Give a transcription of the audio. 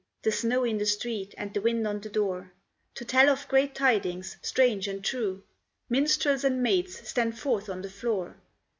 The snow in the street, and the wind on the door, To tell of great tidings, strange and true. Minstrels and maids, stand forth on the floor.